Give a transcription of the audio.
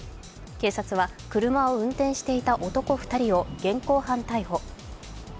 警察は、車を運転していた男２人を現行犯逮捕。